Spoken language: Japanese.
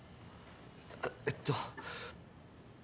えっと。